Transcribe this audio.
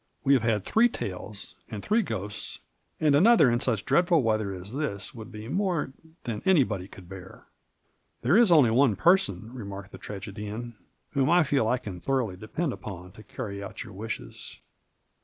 We have had three tales, and three ghosts, and another in such dreadfol weather as this would he more than anyhody could hear." " There is only one person," remarked the Tragedian, " whom I feel I can thoroughly depend npon to carry out your wishes.